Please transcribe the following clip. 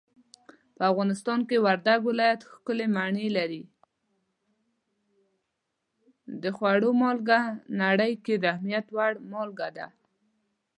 د خوړو مالګه نړۍ کې د اهمیت وړ مالګه ده.